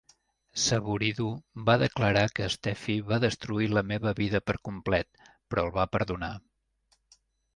Saburido va declarar que Stephey "va destruir la meva vida per complet", però el va perdonar.